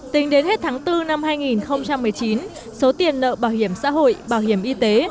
tính đến hết tháng bốn năm hai nghìn một mươi chín số tiền nợ bảo hiểm xã hội bảo hiểm y tế